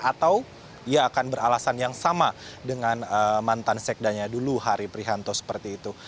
atau ia akan beralasan yang sama dengan mantan sekdanya dulu hari prihanto seperti itu